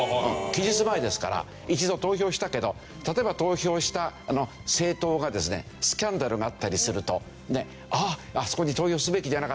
期日前ですから一度投票したけど例えば投票した政党がですねスキャンダルがあったりすると「あああそこに投票すべきじゃなかった」。